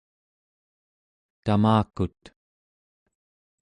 tamakut